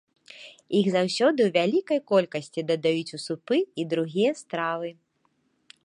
Іх заўсёды ў вялікай колькасці дадаюць у супы і другія стравы.